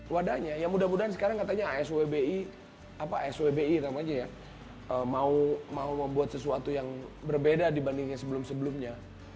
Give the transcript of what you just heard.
wadahnya mudah mudahan sekarang katanya aswbi mau membuat sesuatu yang berbeda dibanding sebelumnya